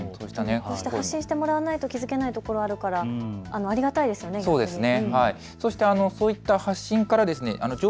発信してもらわないと気付けないところがあるからありがたいですよね。